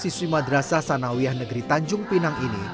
siswa siswi madrasa sanawiah negeri tanjung pinang ini